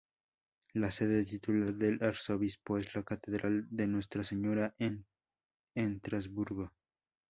La sede titular del arzobispo es la Catedral de Nuestra Señora en Estrasburgo.